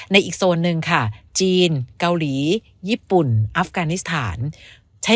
อีกโซนนึงค่ะจีนเกาหลีญี่ปุ่นอัฟกานิสถานใช้